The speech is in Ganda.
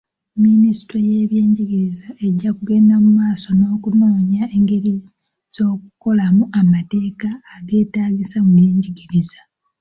Minisitule y'ebyenjigiriza ejja kugenda mu maaso n'okunoonya engeri z'okukolamu amateeka ageetaagisa mu byenjigiriza.